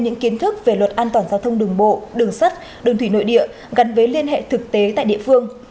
những kiến thức về luật an toàn giao thông đường bộ đường sắt đường thủy nội địa gắn với liên hệ thực tế tại địa phương